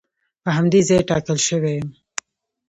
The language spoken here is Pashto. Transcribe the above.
په همدې ځای ټاکل شوی یم.